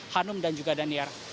harum dan juga daniel